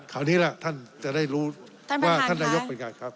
คราวนี้ล่ะท่านจะได้รู้ว่าท่านนายกเป็นไงครับ